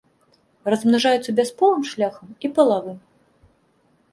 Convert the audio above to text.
Размнажаюцца бясполым шляхам і палавым.